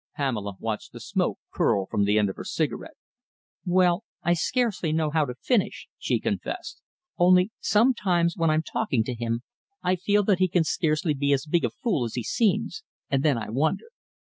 Pamela watched the smoke curl from the end of her cigarette. "Well, I scarcely know how to finish," she confessed, "only sometimes when I am talking to him I feel that he can scarcely be as big a fool as he seems, and then I wonder.